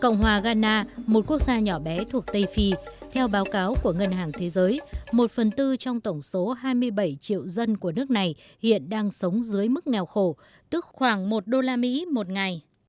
cộng hòa ghana một quốc gia nhỏ bé thuộc tây phi theo báo cáo của ngân hàng thế giới một phần tư trong tổng số hai mươi bảy triệu dân của nước này hiện đang sống dưới mức nghèo khổ tức khoảng một đô la mỹ một ngày